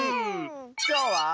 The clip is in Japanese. きょうは。